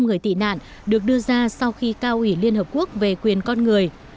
và ba mươi bốn bốn trăm linh người tị nạn được đưa ra sau khi cao ủy liên hợp quốc về quyền con người